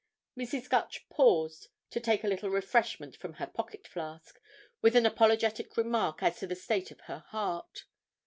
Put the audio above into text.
Mrs. Gutch paused to take a little refreshment from her pocket flask, with an apologetic remark as to the state of her heart.